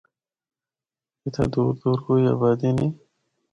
اِتھا دور دور کوئی آبادی نیں۔